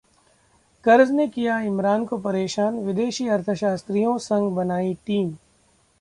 कर्ज ने किया इमरान को परेशान, विदेशी अर्थशास्त्रियों संग बनाई टीम